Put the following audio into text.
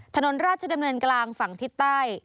ถนนราชดำเนินกลางฝั่งทิศใต้